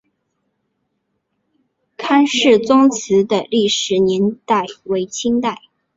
康氏宗祠的历史年代为清代。